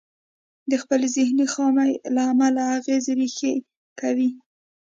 د خپلې ذهني خامي له امله اغېز ريښې کوي.